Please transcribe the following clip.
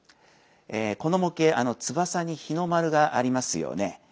この模型翼に日の丸がありますよね。